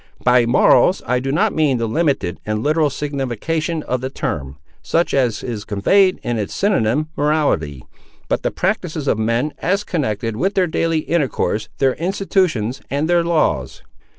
By morals I do not mean the limited and literal signification of the term, such as is conveyed in its synonyme, morality, but the practices of men, as connected with their daily intercourse, their institutions, and their laws."